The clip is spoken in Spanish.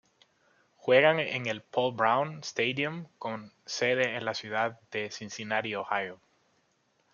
Juegan en el Paul Brown Stadium con sede en la ciudad de Cincinnati, Ohio.